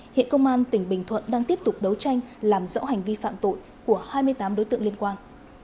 hiện công an tỉnh bình thuận đang tiếp tục đấu tranh làm rõ hành vi phạm tội của hai mươi tám đối tượng liên quan